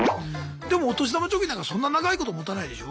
でもお年玉貯金なんかそんな長いこともたないでしょ？